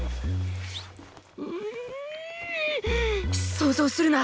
想像するな！